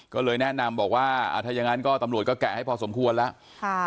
ก็เลยแนะนำบอกว่าถ้าอย่างนั้นก็ตำรวจก็แกะให้พอสมควรแล้ว